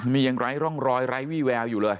นี่ยังไร้ร่องรอยไร้วี่แววอยู่เลย